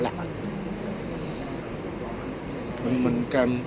พี่อัดมาสองวันไม่มีใครรู้หรอก